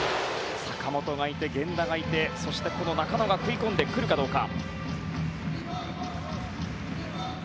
坂本がいて、源田がいてそして、この中野が食い込んでくるかどうか。